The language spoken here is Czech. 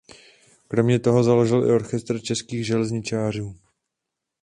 Kromě toho založil i Orchestr českých železničářů.